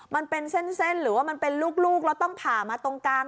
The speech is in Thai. มันเป็นเส้นหรือว่ามันเป็นลูกแล้วต้องผ่ามาตรงกลาง